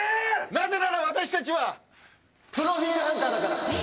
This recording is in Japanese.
なぜなら私たちはプロフィールハンターだから。